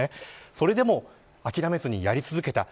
それでも諦めずにやり続けた。